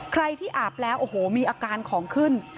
ใครที่อาบแล้วโอ้โหมีอาการของขึ้น